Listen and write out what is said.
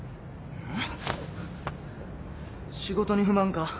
えっ？